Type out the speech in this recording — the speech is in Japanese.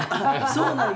そうなん？